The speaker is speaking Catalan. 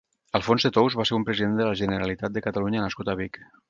Alfons de Tous va ser un president de la Generalitat de Catalunya nascut a Vic.